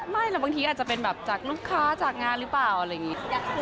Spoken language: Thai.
ไม่แต่บางทีอาจจะเป็นแบบจากลูกค้าจากงานหรือเปล่าอะไรอย่างนี้